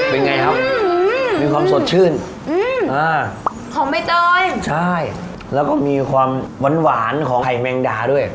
เป็นไงครับมีความสดชื่นหอมใบเตยและมีความหวานของไข่แมงดาด้วย